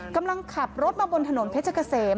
กำลังขับรถมาบนถนนเพชรเกษม